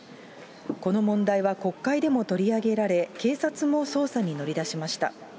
この問題は国会でも取り上げられ、警察も捜査に乗り出しました。